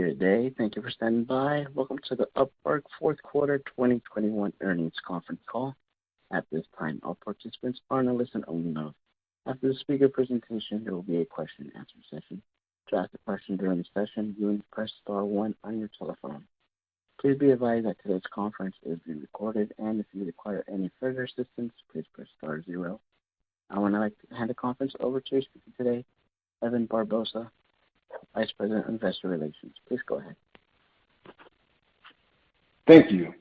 Good day. Thank you for standing by. Welcome to the Upwork Fourth Quarter 2021 earnings conference call. At this time, all participants are in a listen-only mode. After the speaker presentation, there will be a question-and-answer session. To ask a question during the session, you will press star one on your telephone. Please be advised that today's conference is being recorded. If you require any further assistance, please press star zero. I would now like to hand the conference over to your speaker today, Evan Barbosa, Vice President, Investor Relations. Please go ahead. Thank you.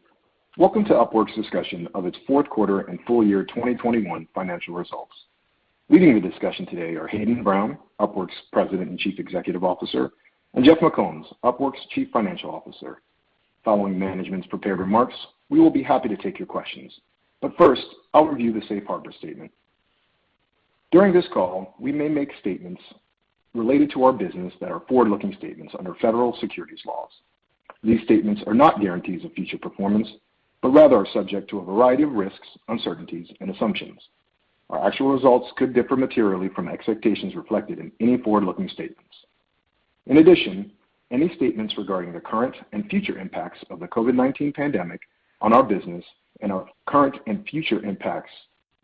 Welcome to Upwork's discussion of its fourth quarter and full year 2021 financial results. Leading the discussion today are Hayden Brown, Upwork's President and Chief Executive Officer, and Jeff McCombs, Upwork's Chief Financial Officer. Following management's prepared remarks, we will be happy to take your questions. First, I'll review the safe harbor statement. During this call, we may make statements related to our business that are forward-looking statements under federal securities laws. These statements are not guarantees of future performance, but rather are subject to a variety of risks, uncertainties and assumptions. Our actual results could differ materially from expectations reflected in any forward-looking statements. In addition, any statements regarding the current and future impacts of the COVID-19 pandemic on our business and our current and future impacts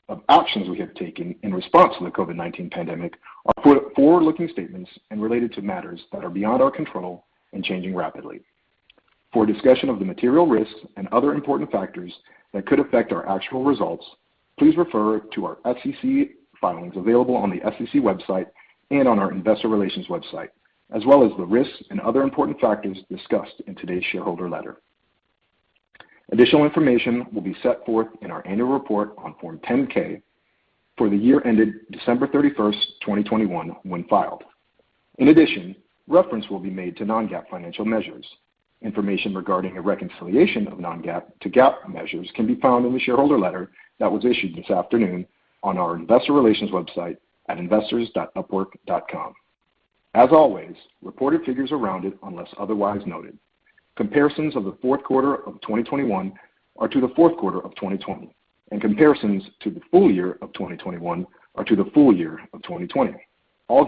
of options we have taken in response to the COVID-19 pandemic are forward-looking statements and related to matters that are beyond our control and changing rapidly. For a discussion of the material risks and other important factors that could affect our actual results, please refer to our SEC filings available on the SEC website and on our investor relations website, as well as the risks and other important factors discussed in today's shareholder letter. Additional information will be set forth in our annual report on Form 10-K for the year ended December 31, 2021 when filed. In addition, reference will be made to non-GAAP financial measures. Information regarding a reconciliation of non-GAAP to GAAP measures can be found in the shareholder letter that was issued this afternoon on our investor relations website at investors.upwork.com. As always, reported figures are rounded unless otherwise noted. Comparisons of the fourth quarter of 2021 are to the fourth quarter of 2020, and comparisons to the full year of 2021 are to the full year of 2020. All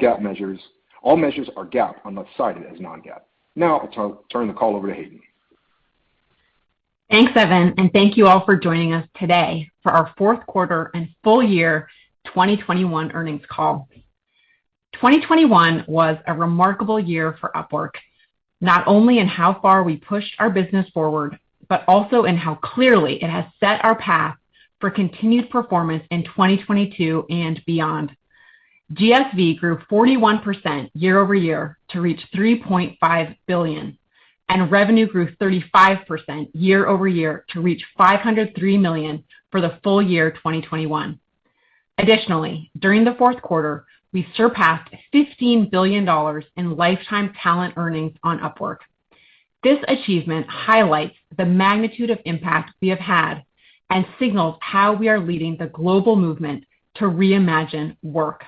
measures are GAAP unless cited as non-GAAP. Now I'll turn the call over to Hayden. Thanks, Evan, and thank you all for joining us today for our fourth quarter and full year 2021 earnings call. 2021 was a remarkable year for Upwork, not only in how far we pushed our business forward, but also in how clearly it has set our path for continued performance in 2022 and beyond. GSV grew 41% year-over-year to reach $3.5 billion, and revenue grew 35% year-over-year to reach $503 million for the full year 2021. Additionally, during the fourth quarter, we surpassed $15 billion in lifetime talent earnings on Upwork. This achievement highlights the magnitude of impact we have had and signals how we are leading the global movement to reimagine work.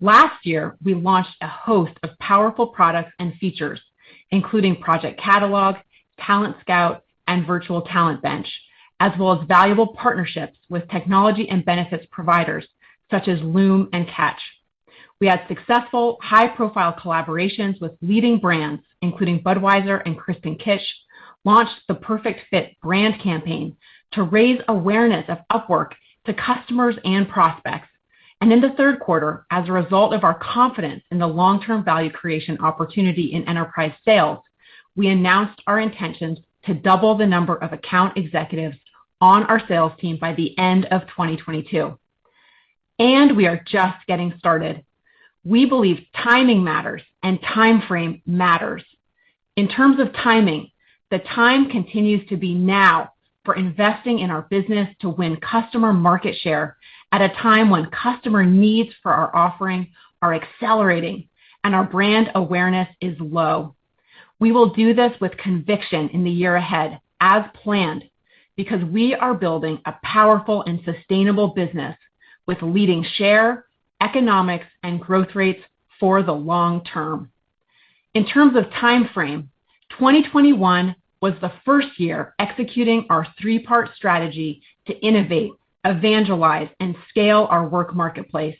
Last year, we launched a host of powerful products and features, including Project Catalog, Talent Scout, and Virtual Talent Bench, as well as valuable partnerships with technology and benefits providers such as Loom and Catch. We had successful high-profile collaborations with leading brands including Budweiser and Kristen Kish, launched The Perfect Fit brand campaign to raise awareness of Upwork to customers and prospects. In the third quarter, as a result of our confidence in the long-term value creation opportunity in enterprise sales, we announced our intentions to double the number of account executives on our sales team by the end of 2022. We are just getting started. We believe timing matters and timeframe matters. In terms of timing, the time continues to be now for investing in our business to win customer market share at a time when customer needs for our offering are accelerating and our brand awareness is low. We will do this with conviction in the year ahead as planned, because we are building a powerful and sustainable business with leading share, economics and growth rates for the long term. In terms of timeframe, 2021 was the first year executing our three-part strategy to innovate, evangelize, and scale our work marketplace.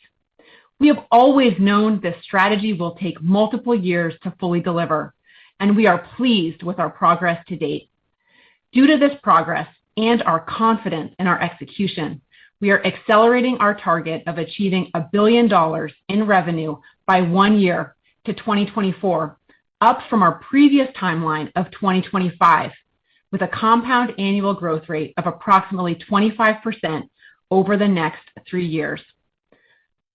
We have always known this strategy will take multiple years to fully deliver, and we are pleased with our progress to date. Due to this progress and our confidence in our execution, we are accelerating our target of achieving $1 billion in revenue by one year to 2024, up from our previous timeline of 2025, with a compound annual growth rate of approximately 25% over the next three years.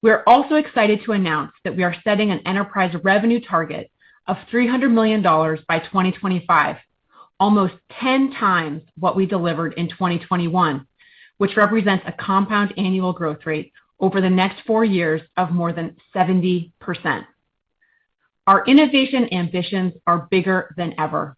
We're also excited to announce that we are setting an enterprise revenue target of $300 million by 2025, almost 10 times what we delivered in 2021, which represents a compound annual growth rate over the next four years of more than 70%. Our innovation ambitions are bigger than ever.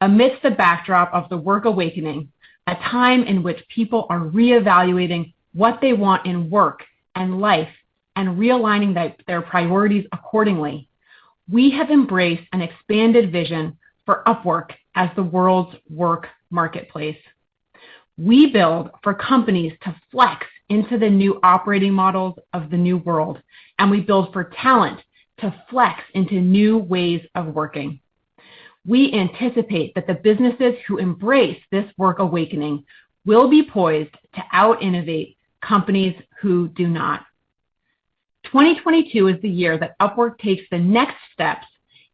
Amidst the backdrop of the work awakening, a time in which people are reevaluating what they want in work and life and realigning their priorities accordingly, we have embraced an expanded vision for Upwork as the world's work marketplace. We build for companies to flex into the new operating models of the new world, and we build for talent to flex into new ways of working. We anticipate that the businesses who embrace this work awakening will be poised to out-innovate companies who do not. 2022 is the year that Upwork takes the next steps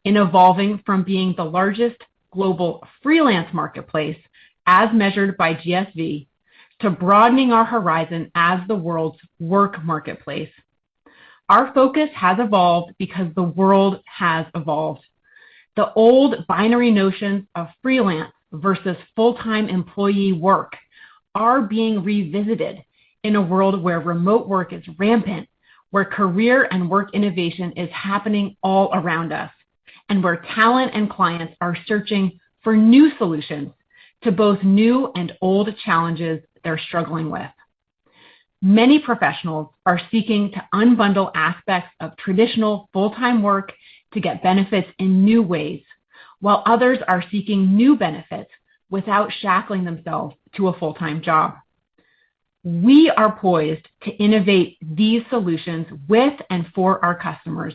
in evolving from being the largest global freelance marketplace, as measured by GSV, to broadening our horizon as the world's work marketplace. Our focus has evolved because the world has evolved. The old binary notions of freelance versus full-time employee work are being revisited in a world where remote work is rampant, where career and work innovation is happening all around us, and where talent and clients are searching for new solutions to both new and old challenges they're struggling with. Many professionals are seeking to unbundle aspects of traditional full-time work to get benefits in new ways, while others are seeking new benefits without shackling themselves to a full-time job. We are poised to innovate these solutions with and for our customers,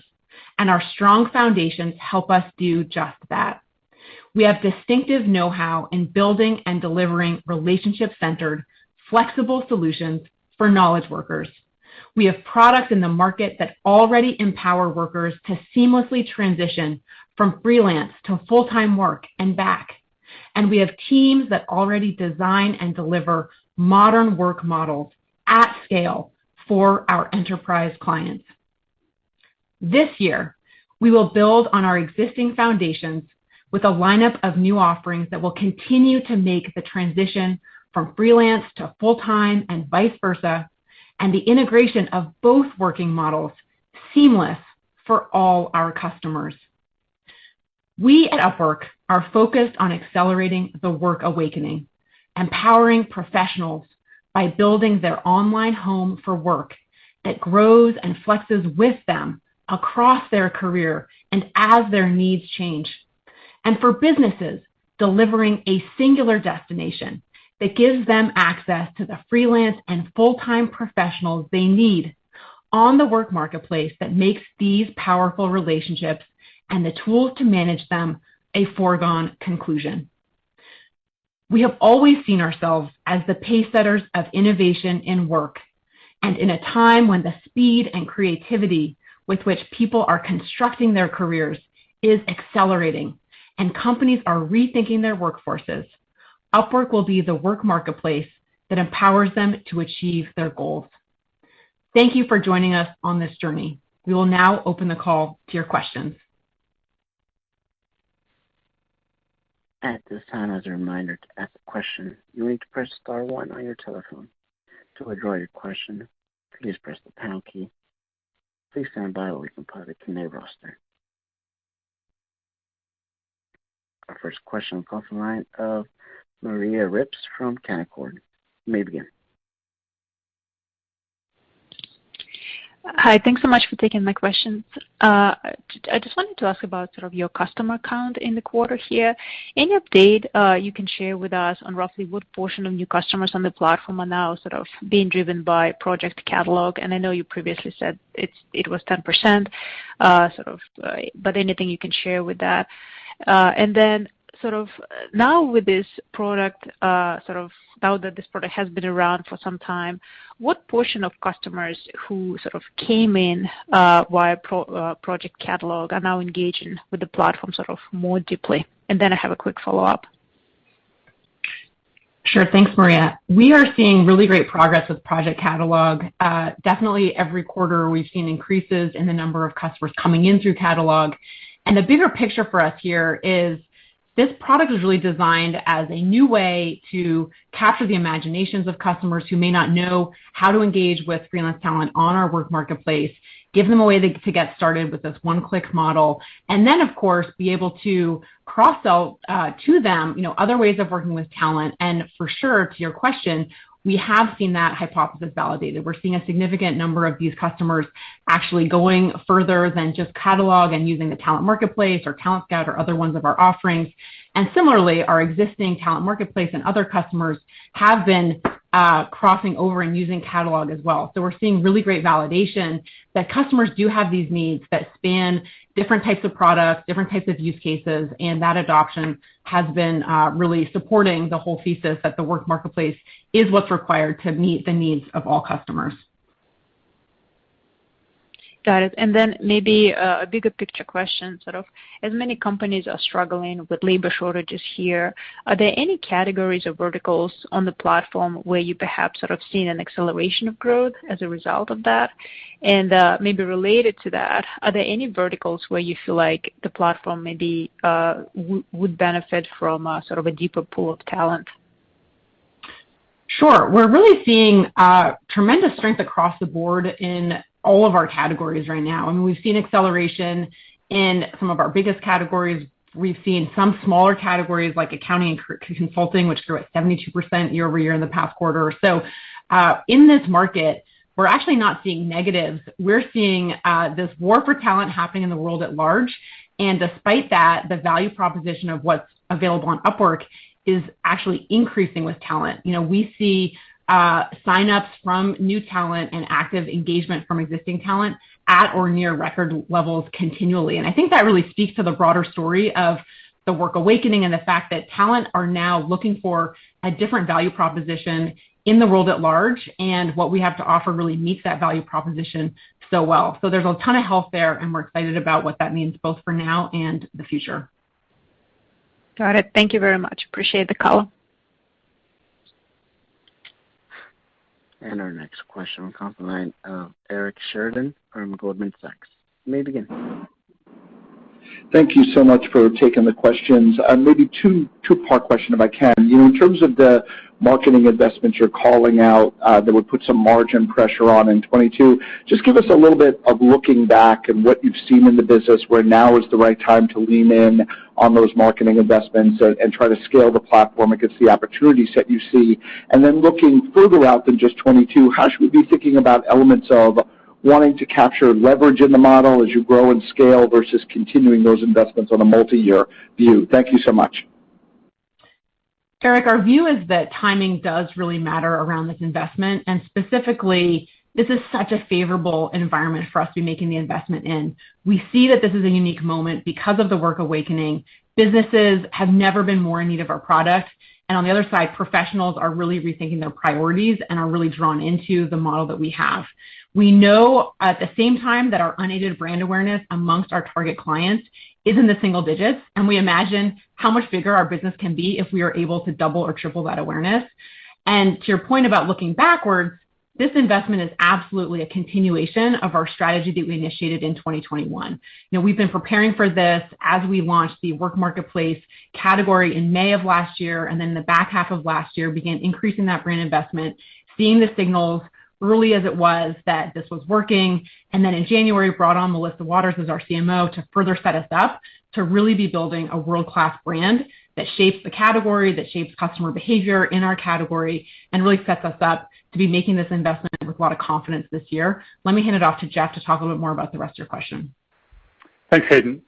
and our strong foundations help us do just that. We have distinctive know-how in building and delivering relationship-centered, flexible solutions for knowledge workers. We have product in the market that already empower workers to seamlessly transition from freelance to full-time work and back. We have teams that already design and deliver modern work models at scale for our enterprise clients. This year, we will build on our existing foundations with a lineup of new offerings that will continue to make the transition from freelance to full-time and vice versa, and the integration of both working models seamless for all our customers. We at Upwork are focused on accelerating the work awakening, empowering professionals by building their online home for work that grows and flexes with them across their career and as their needs change. For businesses, delivering a singular destination that gives them access to the freelance and full-time professionals they need on the work marketplace that makes these powerful relationships and the tools to manage them a foregone conclusion. We have always seen ourselves as the pacesetters of innovation in work. In a time when the speed and creativity with which people are constructing their careers is accelerating and companies are rethinking their workforces, Upwork will be the work marketplace that empowers them to achieve their goals. Thank you for joining us on this journey. We will now open the call to your questions. At this time, as a reminder to ask a question, you need to press star one on your telephone. To withdraw your question, please press the pound key. Please stand by while we compile the attendee roster. Our first question comes from the line of Maria Ripps from Canaccord. You may begin. Hi. Thanks so much for taking my questions. I just wanted to ask about sort of your customer count in the quarter here. Any update you can share with us on roughly what portion of new customers on the platform are now sort of being driven by Project Catalog? And I know you previously said it was 10%, sort of, but anything you can share with that. And then sort of now with this product, sort of now that this product has been around for some time, what portion of customers who sort of came in via Project Catalog are now engaging with the platform sort of more deeply? And then I have a quick follow-up. Sure. Thanks, Maria. We are seeing really great progress with Project Catalog. Definitely every quarter we've seen increases in the number of customers coming in through Catalog. The bigger picture for us here is this product is really designed as a new way to capture the imaginations of customers who may not know how to engage with freelance talent on our work marketplace, give them a way to get started with this one-click model, and then of course, be able to cross-sell to them, you know, other ways of working with talent. For sure, to your question, we have seen that hypothesis validated. We're seeing a significant number of these customers actually going further than just Catalog and using the talent marketplace or Talent Scout or other ones of our offerings. Similarly, our existing talent marketplace and other customers have been crossing over and using catalog as well. We're seeing really great validation that customers do have these needs that span different types of products, different types of use cases, and that adoption has been really supporting the whole thesis that the work marketplace is what's required to meet the needs of all customers. Got it. Maybe a bigger picture question sort of. As many companies are struggling with labor shortages here, are there any categories or verticals on the platform where you perhaps sort of seen an acceleration of growth as a result of that? Maybe related to that, are there any verticals where you feel like the platform maybe would benefit from a sort of a deeper pool of talent? Sure. We're really seeing tremendous strength across the board in all of our categories right now, and we've seen acceleration in some of our biggest categories. We've seen some smaller categories, like accounting and consulting, which grew at 72% year-over-year in the past quarter or so. In this market, we're actually not seeing negatives. We're seeing this war for talent happening in the world at large. Despite that, the value proposition of what's available on Upwork is actually increasing with talent. You know, we see sign-ups from new talent and active engagement from existing talent at or near record levels continually. I think that really speaks to the broader story of the work awakening and the fact that talent are now looking for a different value proposition in the world at large, and what we have to offer really meets that value proposition so well. There's a ton of health there, and we're excited about what that means both for now and the future. Got it. Thank you very much. Appreciate the call. Our next question will come from the line of Eric Sheridan from Goldman Sachs. You may begin. Thank you so much for taking the questions. Maybe two-part question, if I can. You know, in terms of the marketing investments you're calling out, that would put some margin pressure on in 2022, just give us a little bit of looking back and what you've seen in the business where now is the right time to lean in on those marketing investments and try to scale the platform against the opportunity set you see. Looking further out than just 2022, how should we be thinking about elements of wanting to capture leverage in the model as you grow and scale versus continuing those investments on a multiyear view? Thank you so much. Eric, our view is that timing does really matter around this investment. Specifically, this is such a favorable environment for us to be making the investment in. We see that this is a unique moment because of the work awakening. Businesses have never been more in need of our product. On the other side, professionals are really rethinking their priorities and are really drawn into the model that we have. We know at the same time that our unaided brand awareness amongst our target clients is in the single digits, and we imagine how much bigger our business can be if we are able to double or triple that awareness. To your point about looking backwards, this investment is absolutely a continuation of our strategy that we initiated in 2021. You know, we've been preparing for this as we launched the Work Marketplace category in May of last year, and then the back half of last year began increasing that brand investment, seeing the signals early as it was that this was working. In January, brought on Melissa Waters as our CMO to further set us up to really be building a world-class brand that shapes the category, that shapes customer behavior in our category and really sets us up to be making this investment with a lot of confidence this year. Let me hand it off to Jeff to talk a little bit more about the rest of your question. Thanks, Hayden.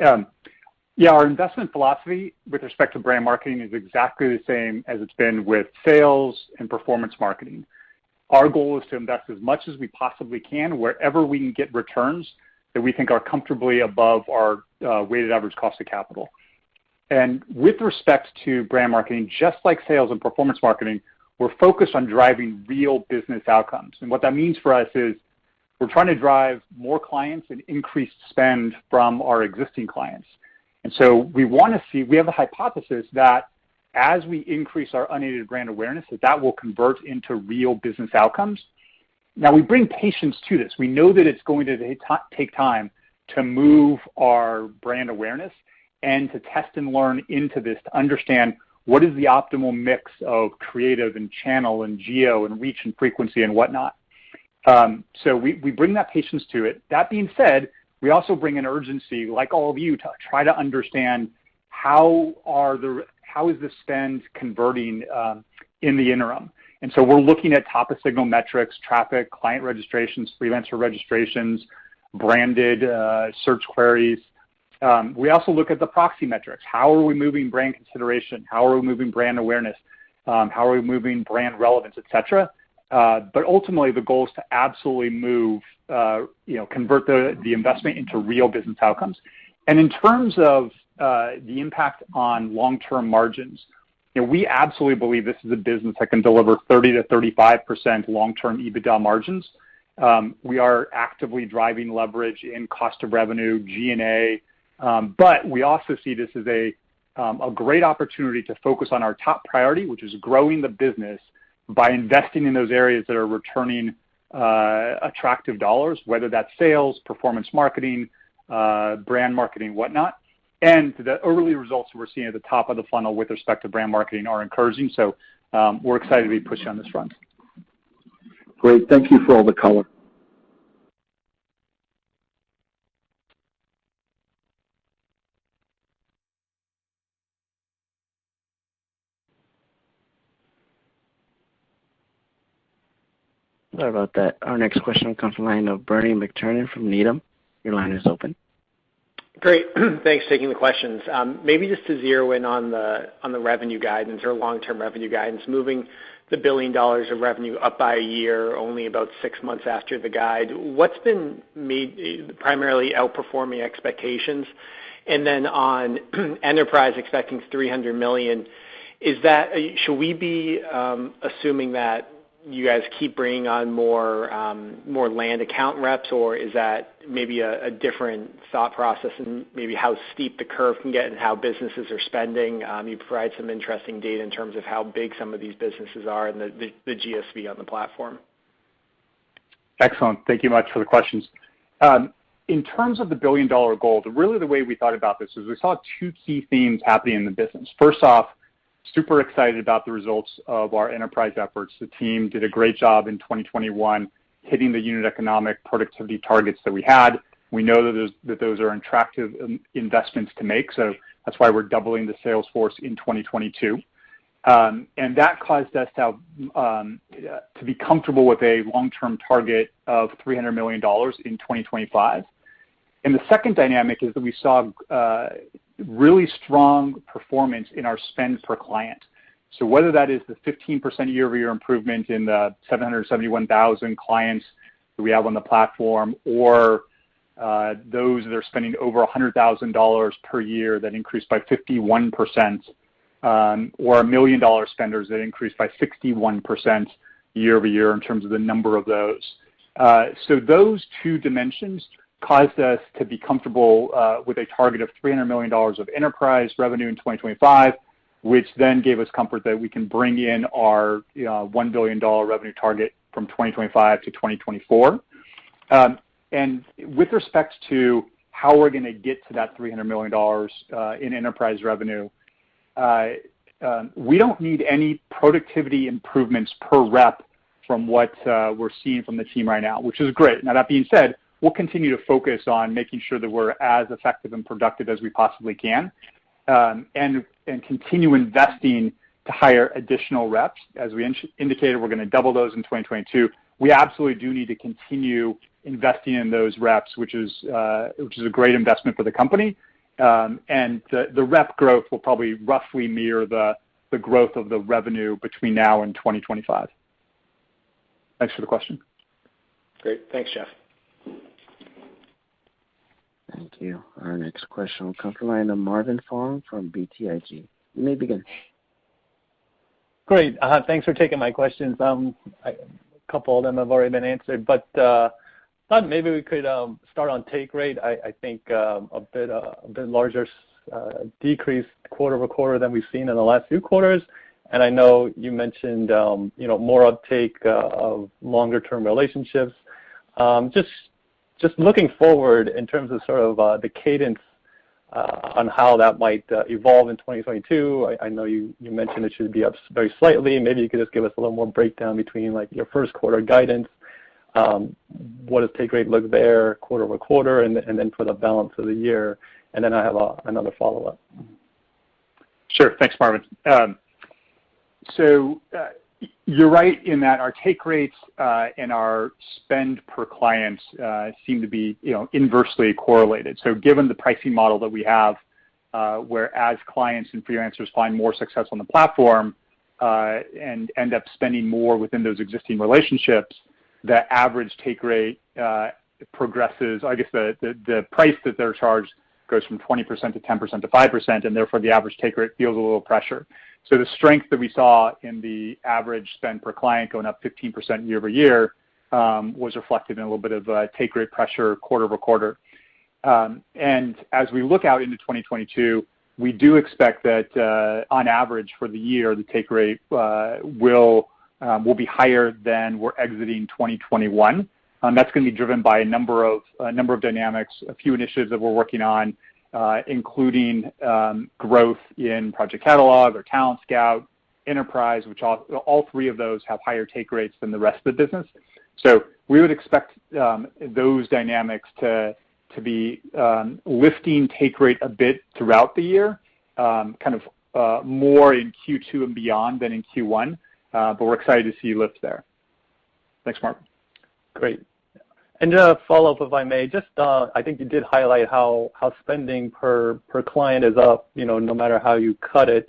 Yeah, our investment philosophy with respect to brand marketing is exactly the same as it's been with sales and performance marketing. Our goal is to invest as much as we possibly can wherever we can get returns that we think are comfortably above our weighted average cost of capital. With respect to brand marketing, just like sales and performance marketing, we're focused on driving real business outcomes. What that means for us is we're trying to drive more clients and increase spend from our existing clients. We wanna see. We have a hypothesis that as we increase our unaided brand awareness, that will convert into real business outcomes. Now, we bring patience to this. We know that it's going to take time to move our brand awareness and to test and learn into this to understand what is the optimal mix of creative and channel and geo and reach and frequency and whatnot. We bring that patience to it. That being said, we also bring an urgency, like all of you, to try to understand how is the spend converting in the interim. We're looking at topic signal metrics, traffic, client registrations, freelancer registrations, branded search queries. We also look at the proxy metrics. How are we moving brand consideration? How are we moving brand awareness? How are we moving brand relevance, et cetera? But ultimately, the goal is to absolutely move, you know, convert the investment into real business outcomes. In terms of the impact on long-term margins, you know, we absolutely believe this is a business that can deliver 30%-35% long-term EBITDA margins. We are actively driving leverage in cost of revenue, G&A. But we also see this as a great opportunity to focus on our top priority, which is growing the business by investing in those areas that are returning attractive dollars, whether that's sales, performance marketing, brand marketing, whatnot. The early results we're seeing at the top of the funnel with respect to brand marketing are encouraging. We're excited to be pushing on this front. Great. Thank you for all the color. Sorry about that. Our next question comes from the line of Bernie McTernan from Needham. Your line is open. Great. Thanks for taking the questions. Maybe just to zero in on the revenue guidance or long-term revenue guidance, moving the $1 billion of revenue up by a year, only about six months after the guide, what's been primarily outperforming expectations? Then on enterprise expecting $300 million, is that should we be assuming that you guys keep bringing on more land account reps, or is that maybe a different thought process in maybe how steep the curve can get and how businesses are spending? You provided some interesting data in terms of how big some of these businesses are and the GSV on the platform. Excellent. Thank you much for the questions. In terms of the billion-dollar goal, really the way we thought about this is we saw two key themes happening in the business. First off, super excited about the results of our enterprise efforts. The team did a great job in 2021 hitting the unit economic productivity targets that we had. We know that those are attractive investments to make, so that's why we're doubling the sales force in 2022. That caused us to be comfortable with a long-term target of $300 million in 2025. The second dynamic is that we saw really strong performance in our spend per client. Whether that is the 15% year-over-year improvement in the 771,000 clients that we have on the platform, or those that are spending over $100,000 per year that increased by 51%, or $1 million-dollar spenders that increased by 61% year-over-year in terms of the number of those. Those two dimensions caused us to be comfortable with a target of $300 million of enterprise revenue in 2025, which then gave us comfort that we can bring in our, you know, $1 billion revenue target from 2025 to 2024. With respect to how we're gonna get to that $300 million in enterprise revenue, we don't need any productivity improvements per rep from what we're seeing from the team right now, which is great. Now, that being said, we'll continue to focus on making sure that we're as effective and productive as we possibly can, and continue investing to hire additional reps. As we indicated, we're gonna double those in 2022. We absolutely do need to continue investing in those reps, which is a great investment for the company. The rep growth will probably roughly mirror the growth of the revenue between now and 2025. Thanks for the question. Great. Thanks, Jeff. Thank you. Our next question will come from the line of Marvin Fong from BTIG. You may begin. Great. Thanks for taking my questions. A couple of them have already been answered, but thought maybe we could start on take rate. I think a bit larger decrease quarter-over-quarter than we've seen in the last few quarters. I know you mentioned you know, more uptake of longer-term relationships. Just looking forward in terms of sort of the cadence on how that might evolve in 2022. I know you mentioned it should be up very slightly. Maybe you could just give us a little more breakdown between, like, your first quarter guidance, what does take rate look like there quarter-over-quarter and then for the balance of the year. Then I have another follow-up. Sure. Thanks, Marvin. You're right in that our take rates and our spend per client seem to be, you know, inversely correlated. Given the pricing model that we have, whereas clients and freelancers find more success on the platform and end up spending more within those existing relationships, the average take rate progresses. I guess the price that they're charged goes from 20% to 10% to 5%, and therefore the average take rate feels a little pressure. The strength that we saw in the average spend per client going up 15% year-over-year was reflected in a little bit of a take rate pressure quarter-over-quarter. As we look out into 2022, we do expect that, on average for the year, the take rate will be higher than we're exiting 2021. That's gonna be driven by a number of dynamics, a few initiatives that we're working on, including growth in Project Catalog or Talent Scout Enterprise, which all three of those have higher take rates than the rest of the business. We would expect those dynamics to be lifting take rate a bit throughout the year, kind of more in Q2 and beyond than in Q1. We're excited to see lift there. Thanks, Marvin. Great. A follow-up, if I may. Just, I think you did highlight how spending per client is up, you know, no matter how you cut it.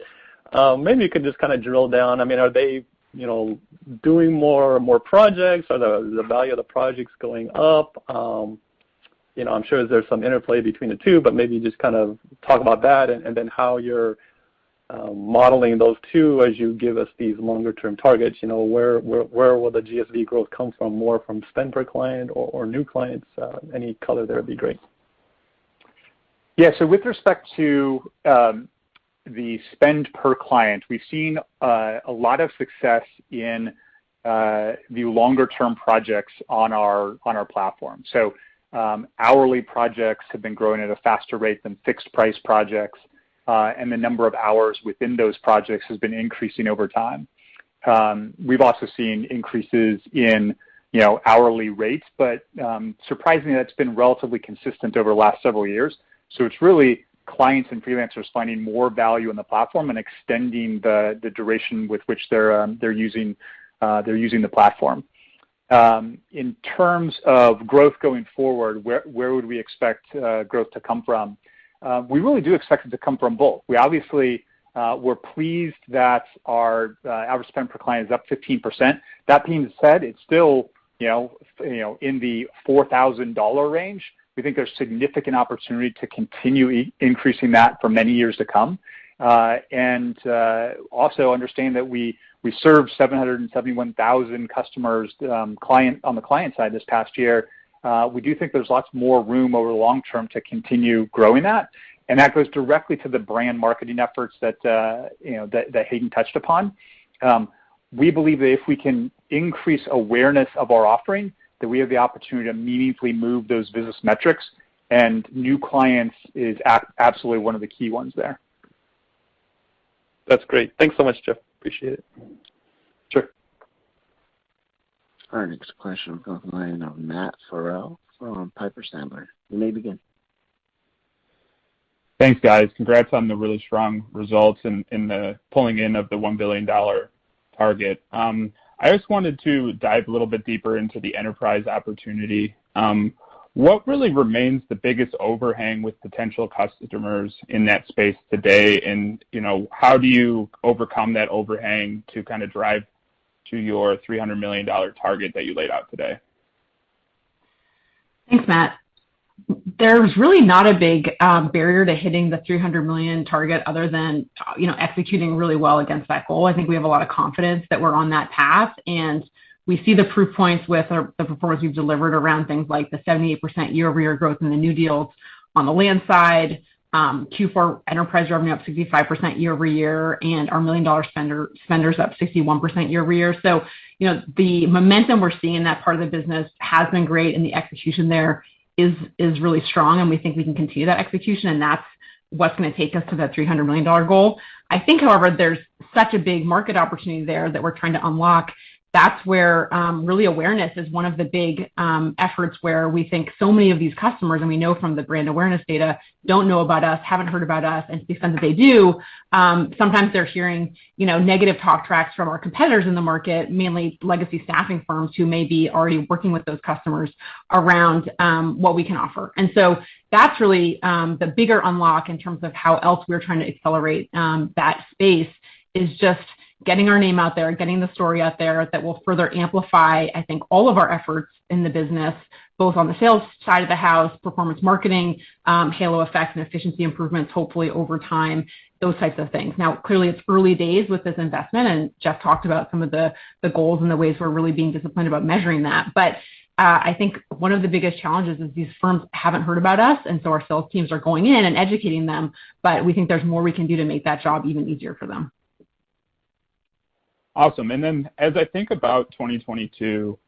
Maybe you can just kinda drill down. I mean, are they, you know, doing more projects? Are the value of the projects going up? You know, I'm sure there's some interplay between the two, but maybe just kind of talk about that and then how you're modeling those two as you give us these longer-term targets. You know, where will the GSV growth come from, more from spend per client or new clients? Any color there would be great. Yeah. With respect to the spend per client, we've seen a lot of success in the longer-term projects on our platform. Hourly projects have been growing at a faster rate than fixed price projects, and the number of hours within those projects has been increasing over time. We've also seen increases in, you know, hourly rates, but surprisingly, that's been relatively consistent over the last several years. It's really clients and freelancers finding more value in the platform and extending the duration with which they're using the platform. In terms of growth going forward, where would we expect growth to come from? We really do expect it to come from both. We obviously, we're pleased that our average spend per client is up 15%. That being said, it's still in the $4,000 range. We think there's significant opportunity to continue increasing that for many years to come. Also understand that we served 771,000 customers on the client side this past year. We do think there's lots more room over the long term to continue growing that, and that goes directly to the brand marketing efforts that Hayden touched upon. We believe that if we can increase awareness of our offering, that we have the opportunity to meaningfully move those business metrics, and new clients is absolutely one of the key ones there. That's great. Thanks so much, Jeff. Appreciate it. Sure. All right, next question will come from the line of Matt Farrell from Piper Sandler. You may begin. Thanks, guys. Congrats on the really strong results and the pulling in of the $1 billion target. I just wanted to dive a little bit deeper into the enterprise opportunity. What really remains the biggest overhang with potential customers in that space today? You know, how do you overcome that overhang to kinda drive to your $300 million target that you laid out today? Thanks, Matt. There's really not a big barrier to hitting the $300 million target other than, you know, executing really well against that goal. I think we have a lot of confidence that we're on that path, and we see the proof points with the performance we've delivered around things like the 78% year-over-year growth in the new deals on the land side, Q4 enterprise revenue up 65% year-over-year, and our million-dollar spenders up 61% year-over-year. You know, the momentum we're seeing in that part of the business has been great, and the execution there is really strong, and we think we can continue that execution, and that's what's gonna take us to that $300 million goal. I think, however, there's such a big market opportunity there that we're trying to unlock. That's where really awareness is one of the big efforts where we think so many of these customers, and we know from the brand awareness data, don't know about us, haven't heard about us. To the extent that they do, sometimes they're hearing, you know, negative talk tracks from our competitors in the market, mainly legacy staffing firms who may be already working with those customers around what we can offer. That's really the bigger unlock in terms of how else we're trying to accelerate that space, is just getting our name out there, getting the story out there that will further amplify, I think, all of our efforts in the business, both on the sales side of the house, performance marketing, halo effect and efficiency improvements, hopefully over time, those types of things. Now, clearly, it's early days with this investment, and Jeff talked about some of the goals and the ways we're really being disciplined about measuring that. I think one of the biggest challenges is these firms haven't heard about us, and so our sales teams are going in and educating them, but we think there's more we can do to make that job even easier for them. Awesome. As I think about 2022,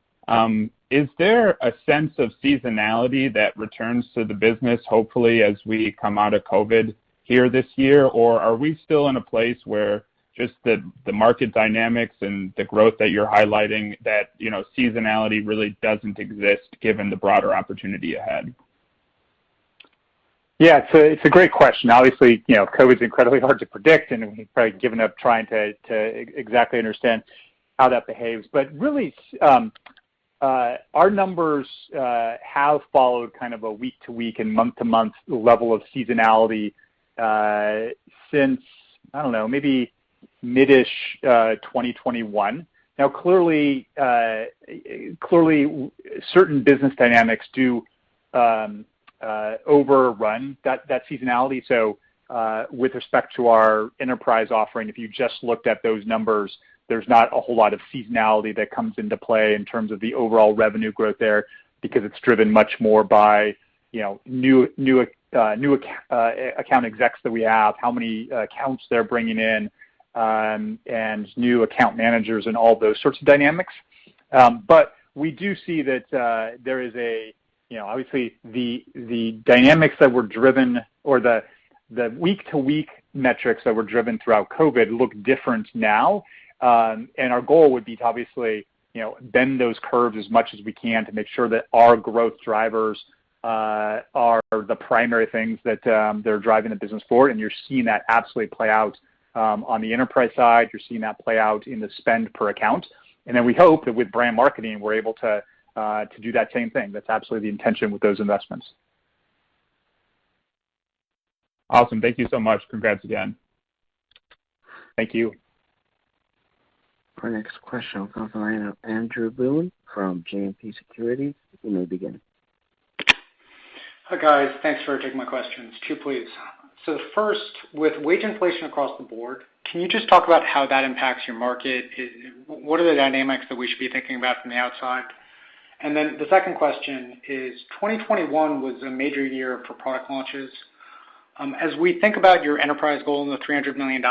is there a sense of seasonality that returns to the business hopefully as we come out of COVID here this year? Or are we still in a place where just the market dynamics and the growth that you're highlighting, you know, seasonality really doesn't exist given the broader opportunity ahead? Yeah. It's a great question. Obviously, you know, COVID's incredibly hard to predict, and we've probably given up trying to exactly understand how that behaves. Really, our numbers have followed kind of a week to week and month to month level of seasonality since, I don't know, maybe mid-ish 2021. Now, clearly certain business dynamics do overrun that seasonality. With respect to our enterprise offering, if you just looked at those numbers, there's not a whole lot of seasonality that comes into play in terms of the overall revenue growth there because it's driven much more by, you know, new account execs that we have, how many accounts they're bringing in, and new account managers and all those sorts of dynamics. We do see that there is a You know, obviously the dynamics that were driven or the week-to-week metrics that were driven throughout COVID look different now. Our goal would be to obviously, you know, bend those curves as much as we can to make sure that our growth drivers are the primary things that are driving the business forward, and you're seeing that absolutely play out on the enterprise side, you're seeing that play out in the spend per account. Then we hope that with brand marketing, we're able to do that same thing. That's absolutely the intention with those investments. Awesome. Thank you so much. Congrats again. Thank you. Our next question will come from the line of Andrew Boone from JMP Securities. You may begin. Hi, guys. Thanks for taking my questions. Two, please. First, with wage inflation across the board, can you just talk about how that impacts your market? What are the dynamics that we should be thinking about from the outside? The second question is, 2021 was a major year for product launches. As we think about your enterprise goal and the $300 million,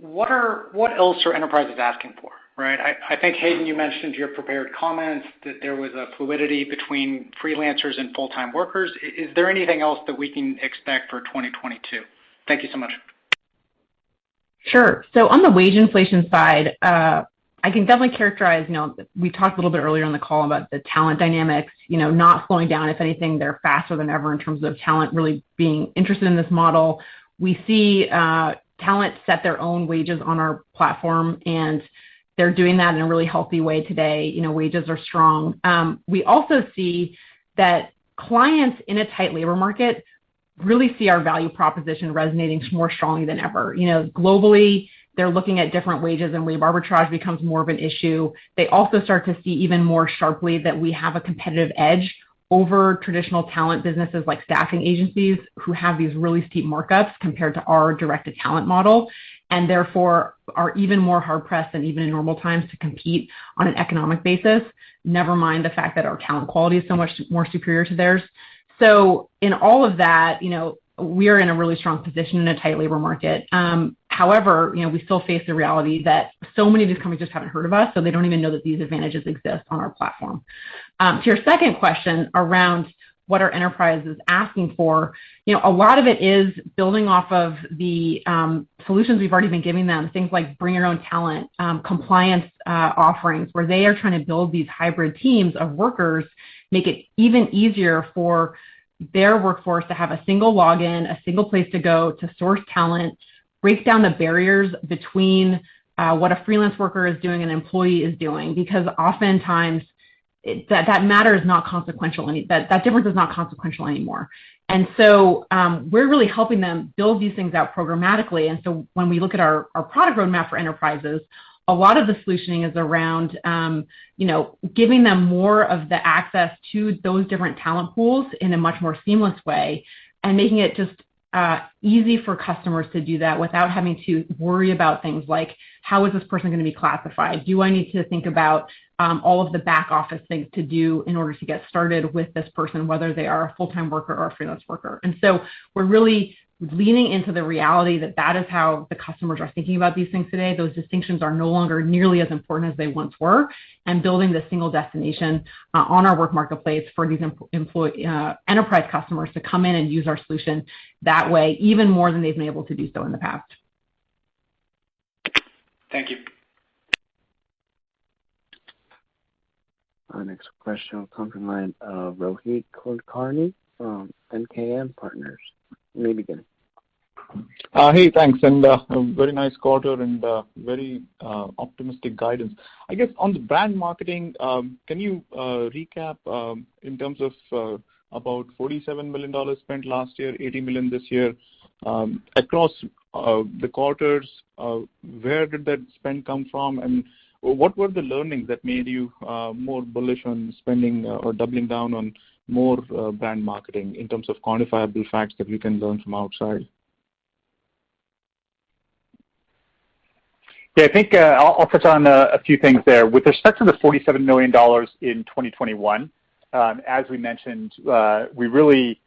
what else are enterprises asking for, right? I think, Hayden, you mentioned in your prepared comments that there was a fluidity between freelancers and full-time workers. Is there anything else that we can expect for 2022? Thank you so much. Sure. On the wage inflation side, I can definitely characterize. You know, we talked a little bit earlier in the call about the talent dynamics, you know, not slowing down. If anything, they're faster than ever in terms of talent really being interested in this model. We see talent set their own wages on our platform, and they're doing that in a really healthy way today. You know, wages are strong. We also see that clients in a tight labor market really see our value proposition resonating more strongly than ever. You know, globally, they're looking at different wages, and wage arbitrage becomes more of an issue. They also start to see even more sharply that we have a competitive edge over traditional talent businesses like staffing agencies who have these really steep markups compared to our direct-to-talent model, and therefore are even more hard pressed than even in normal times to compete on an economic basis. Never mind the fact that our talent quality is so much more superior to theirs. In all of that, you know, we're in a really strong position in a tight labor market. However, you know, we still face the reality that so many of these companies just haven't heard of us, so they don't even know that these advantages exist on our platform. To your second question around what are enterprises asking for, you know, a lot of it is building off of the solutions we've already been giving them. Things like bring your own talent, compliance offerings, where they are trying to build these hybrid teams of workers. Make it even easier for their workforce to have a single login, a single place to go to source talent, break down the barriers between what a freelance worker is doing and an employee is doing. Because oftentimes that difference is not consequential anymore. We're really helping them build these things out programmatically. When we look at our product roadmap for enterprises, a lot of the solutioning is around you know, giving them more of the access to those different talent pools in a much more seamless way and making it just easy for customers to do that without having to worry about things like, how is this person gonna be classified? Do I need to think about all of the back office things to do in order to get started with this person, whether they are a full-time worker or a freelance worker? We're really leaning into the reality that that is how the customers are thinking about these things today. Those distinctions are no longer nearly as important as they once were, and building the single destination on our work marketplace for these enterprise customers to come in and use our solution that way even more than they've been able to do so in the past. Thank you. Our next question will come from the line of Rohit Kulkarni from MKM Partners. You may begin. Hey, thanks. Very nice quarter and very optimistic guidance. I guess on the brand marketing, can you recap in terms of about $47 million spent last year, $80 million this year, across the quarters, where did that spend come from? What were the learnings that made you more bullish on spending or doubling down on more brand marketing in terms of quantifiable facts that we can learn from outside? Yeah, I think I'll touch on a few things there. With respect to the $47 million in 2021, as we mentioned, we really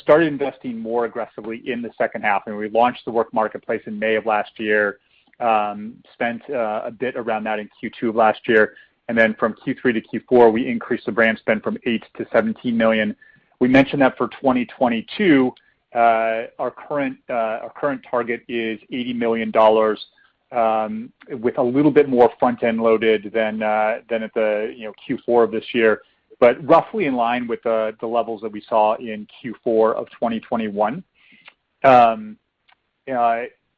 started investing more aggressively in the second half, and we launched the Work Marketplace in May of last year, spent a bit around that in Q2 of last year. From Q3 to Q4, we increased the brand spend from $8 million-$17 million. We mentioned that for 2022, our current target is $80 million, with a little bit more front-end loaded than at the you know Q4 of this year. Roughly in line with the levels that we saw in Q4 of 2021.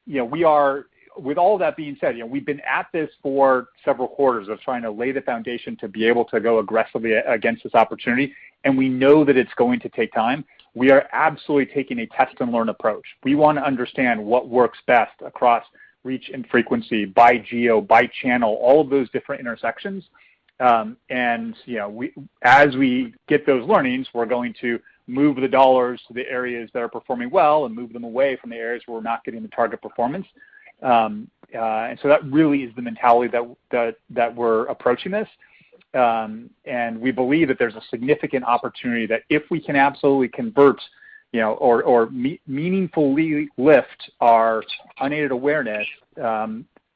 You know, we are... With all that being said, you know, we've been at this for several quarters of trying to lay the foundation to be able to go aggressively against this opportunity, and we know that it's going to take time. We are absolutely taking a test-and-learn approach. We wanna understand what works best across reach and frequency by geo, by channel, all of those different intersections. You know, as we get those learnings, we're going to move the dollars to the areas that are performing well and move them away from the areas where we're not getting the target performance. That really is the mentality that we're approaching this. We believe that there's a significant opportunity that if we can absolutely convert, you know, or meaningfully lift our unaided awareness,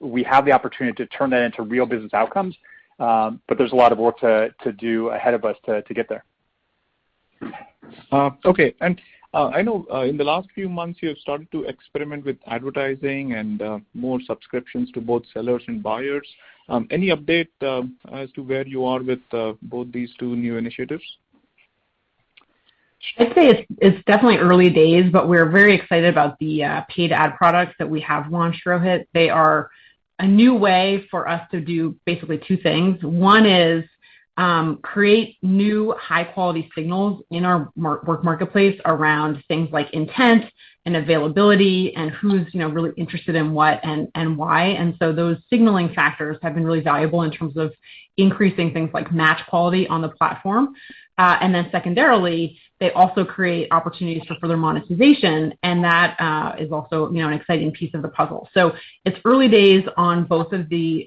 we have the opportunity to turn that into real business outcomes. There's a lot of work to do ahead of us to get there. Okay. I know in the last few months, you have started to experiment with advertising and more subscriptions to both sellers and buyers. Any update as to where you are with both these two new initiatives? I'd say it's definitely early days, but we're very excited about the paid ad products that we have launched, Rohit. They are a new way for us to do basically two things. One is create new high-quality signals in our Work Marketplace around things like intent and availability and who's you know really interested in what and why. Those signaling factors have been really valuable in terms of increasing things like match quality on the platform. Secondarily, they also create opportunities for further monetization, and that is also you know an exciting piece of the puzzle. It's early days on both of the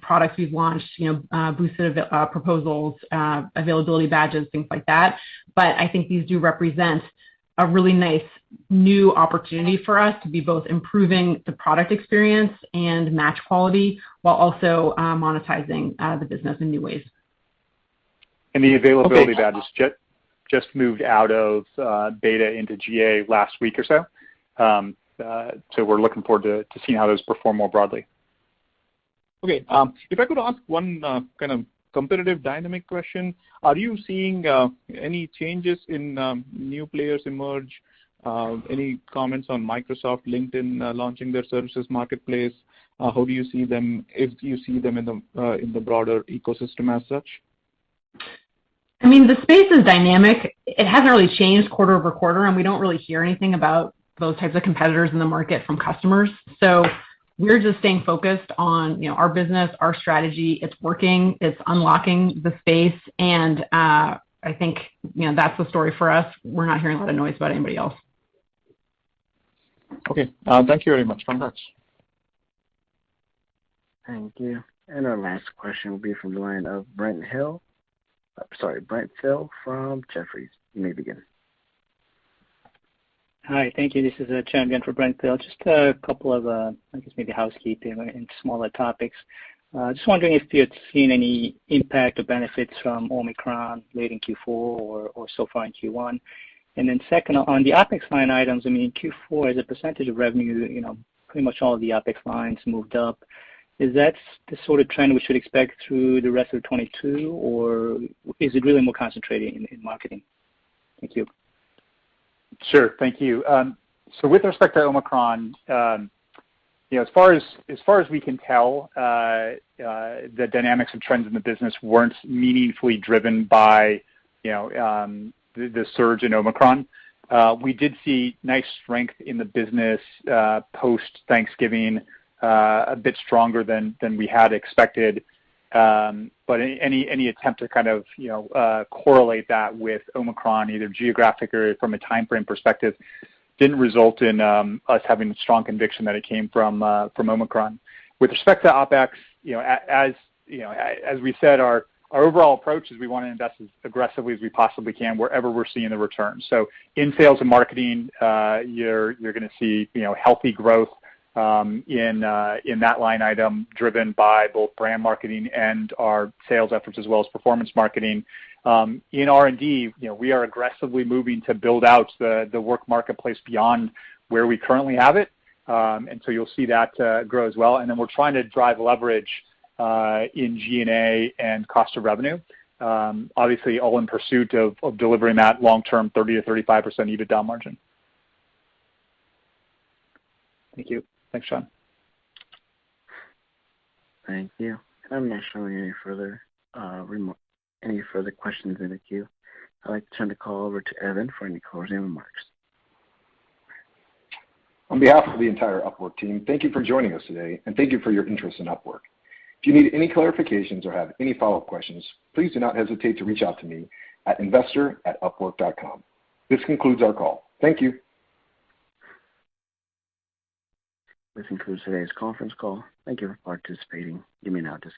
products we've launched, you know boosted proposals, availability badges, things like that. I think these do represent a really nice new opportunity for us to be both improving the product experience and match quality while also monetizing the business in new ways. The availability badge- Okay. Just moved out of beta into GA last week or so. We're looking forward to seeing how those perform more broadly. Okay. If I could ask one kind of competitive dynamic question. Are you seeing any changes in new players emerge? Any comments on Microsoft, LinkedIn launching their services marketplace? How do you see them if you see them in the broader ecosystem as such? I mean, the space is dynamic. It hasn't really changed quarter-over-quarter, and we don't really hear anything about those types of competitors in the market from customers. We're just staying focused on, you know, our business, our strategy. It's working, it's unlocking the space, and, I think, you know, that's the story for us. We're not hearing a lot of noise about anybody else. Okay. Thank you very much. Thanks. Thank you. Our last question will be from the line of Brent Thill from Jefferies. You may begin. Hi. Thank you. This is John Byun for Brent Thill. Just a couple of I guess maybe housekeeping and smaller topics. Just wondering if you'd seen any impact or benefits from Omicron late in Q4 or so far in Q1. Second, on the OpEx line items, I mean, in Q4, as a percentage of revenue, you know, pretty much all of the OpEx lines moved up. Is that the sort of trend we should expect through the rest of 2022, or is it really more concentrating in marketing? Thank you. Sure. Thank you. So with respect to Omicron, you know, as far as we can tell, the dynamics and trends in the business weren't meaningfully driven by, you know, the surge in Omicron. We did see nice strength in the business, post-Thanksgiving, a bit stronger than we had expected. But any attempt to kind of, you know, correlate that with Omicron, either geographic or from a timeframe perspective, didn't result in us having a strong conviction that it came from Omicron. With respect to OpEx, you know, as we said, our overall approach is we wanna invest as aggressively as we possibly can wherever we're seeing the return. In sales and marketing, you're gonna see, you know, healthy growth in that line item driven by both brand marketing and our sales efforts as well as performance marketing. In R&D, you know, we are aggressively moving to build out the Work Marketplace beyond where we currently have it. You'll see that grow as well. Then we're trying to drive leverage in G&A and cost of revenue, obviously all in pursuit of delivering that long-term 30%-35% EBITDA margin. Thank you. Thanks, John. Thank you. I'm not showing any further questions in the queue. I'd like to turn the call over to Evan for any closing remarks. On behalf of the entire Upwork team, thank you for joining us today, and thank you for your interest in Upwork. If you need any clarifications or have any follow-up questions, please do not hesitate to reach out to me at investor@upwork.com. This concludes our call. Thank you. This concludes today's conference call. Thank you for participating. You may now disconnect.